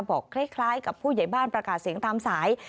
บอกคล้ายกับผู้ใหญ่บ้านประกาศเสียงตามสาย